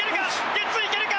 ゲッツーいけるか？